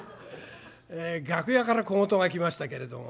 楽屋から小言が来ましたけれども。